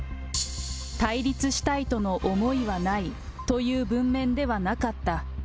対立したいとの思いはないという文面ではなかった。